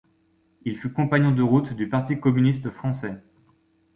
Il fut compagnon de route du Parti communiste français.